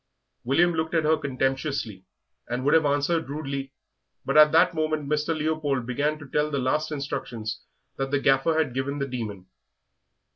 William looked at her contemptuously, and would have answered rudely, but at that moment Mr. Leopold began to tell the last instructions that the Gaffer had given the Demon.